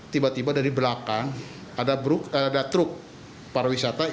tiba tiba dari belakang ada truk pariwisata